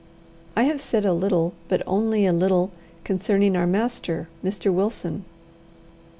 I have said a little, but only a little, concerning our master, Mr. Wilson.